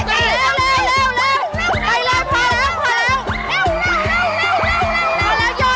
เร็วเข้าเลยค่ะไปก่อนเร็ว